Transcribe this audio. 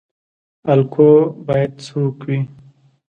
الګو باید څوک وي؟